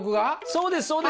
そうです。